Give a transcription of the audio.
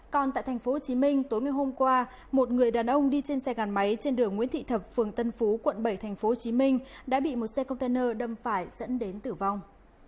còn tại tp hcm tối ngày hôm qua một người đàn ông đi trên xe gắn máy trên đường nguyễn thị thập phường tân phú quận bảy tp hcm đã bị một xe container đâm phải dẫn đến tử vong